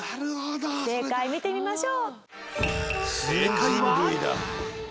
正解見てみましょう。